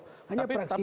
hanya praksi pkb